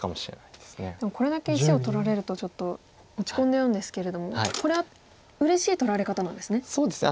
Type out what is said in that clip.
でもこれだけ石を取られるとちょっと落ち込んじゃうんですけれどもこれはうれしい取られ方なんですね？